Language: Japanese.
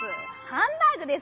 「ハンバーグ」です！